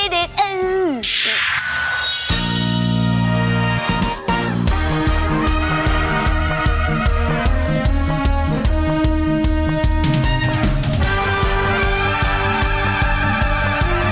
ดี